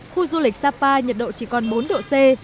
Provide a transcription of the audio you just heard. khu du lịch sapa nhiệt độ chỉ còn bốn độ c